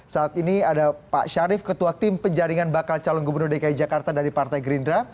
saat ini ada pak syarif ketua tim penjaringan bakal calon gubernur dki jakarta dari partai gerindra